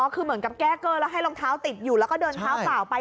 คือเหมือนกับแก้เกอร์แล้วให้รองเท้าติดอยู่แล้วก็เดินเท้าเปล่าไป